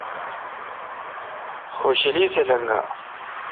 خوشالی سہ لیگا۔